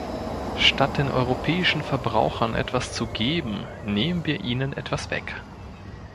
Statt den europäischen Verbrauchern etwas zu geben, nehmen wir ihnen etwas weg.